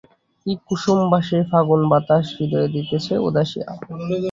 কী কুসুমবাসে ফাগুনবাতাসে হৃদয় দিতেছে উদাসিয়া।